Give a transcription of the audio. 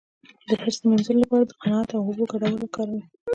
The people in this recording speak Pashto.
د حرص د مینځلو لپاره د قناعت او اوبو ګډول وکاروئ